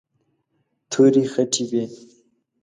تورې خټې وې.